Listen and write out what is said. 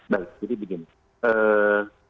baik jadi begini